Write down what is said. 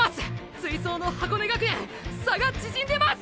追走の箱根学園差が縮んでます！！